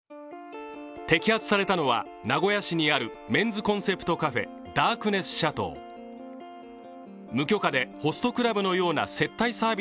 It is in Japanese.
摘発されたのは名古屋市にあるメンズコンセプトカフェ、ダークネスシャトー。